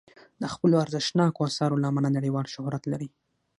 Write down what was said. د خپلو ارزښتناکو اثارو له امله نړیوال شهرت لري.